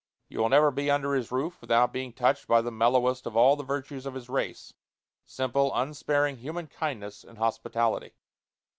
You will never be under his roof without being touched by the mellowest of all the virtues of his race simple, unsparing human kindness and hospitality.